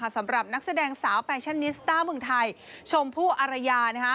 สำหรับนักแสดงสาวแฟชั่นนิสต้าเมืองไทยชมพู่อารยา